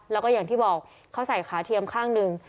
แล้วก็อย่างที่บอกเขาใส่ขาเทียมข้างหนึ่ง